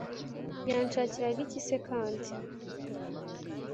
Yanshakiraga iki se kandi